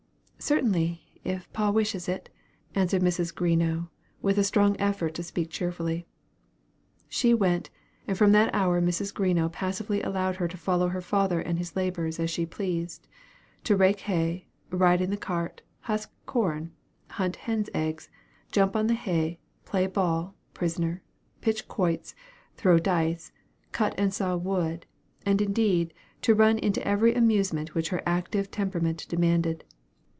"Certainly, if pa wishes it," answered Mrs. Greenough with a strong effort to speak cheerfully. She went, and from that hour Mrs. Greenough passively allowed her to follow her father and his laborers as she pleased; to rake hay, ride in the cart, husk corn, hunt hen's eggs, jump on the hay, play ball, prisoner, pitch quoits, throw dice, cut and saw wood, and, indeed, to run into every amusement which her active temperament demanded.